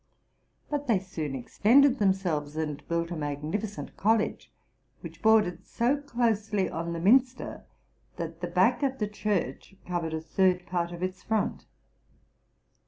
But they soon extended themselves and built a magnificent college, which bordered so closely on the minster that oe back of the church covered a third part of its front.